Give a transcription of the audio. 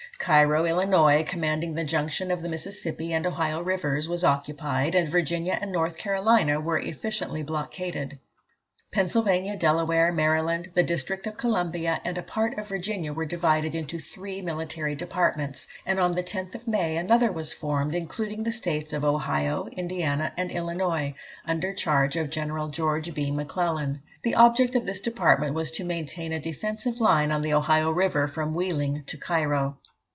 Cairo, Illinois, commanding the junction of the Mississippi and Ohio rivers, was occupied, and Virginia and North Carolina were efficiently blockaded. Pennsylvania, Delaware, Maryland, the District of Columbia, and a part of Virginia, were divided into three military departments, and on the 10th May another was formed, including the States of Ohio, Indiana, and Illinois, under charge of General Geo. B. M'Clellan. The object of this department was to maintain a defensive line on the Ohio River from Wheeling to Cairo.